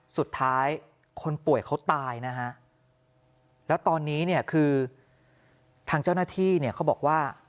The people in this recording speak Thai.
สุดท้ายคนป่วยเขาตายนะฮะแล้วตอนนี้เนี่ยคือทางเจ้าหน้าที่เนี่ยเขาบอกว่า